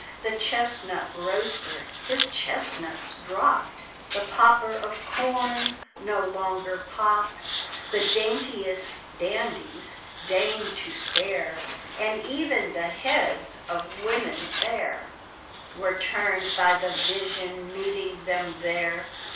The chestnut roaster his chestnuts dropped, The popper of corn no longer popped; The daintiest dandies deigned to stare, And even the heads of women fair Were turned by the vision meeting them there.